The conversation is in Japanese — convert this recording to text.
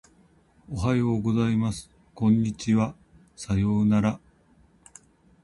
おはようございます。こんにちは。さようなら。